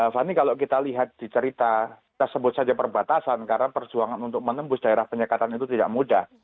fani kalau kita lihat di cerita kita sebut saja perbatasan karena perjuangan untuk menembus daerah penyekatan itu tidak mudah